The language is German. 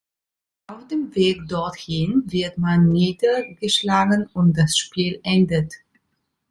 Auf dem Weg dorthin wird man niedergeschlagen und das Spiel endet.